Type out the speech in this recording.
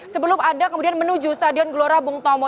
sebelum anda kemudian menuju stadion gelora bung tomo